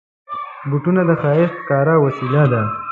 بوټونه د ښایست ښکاره وسیله ده.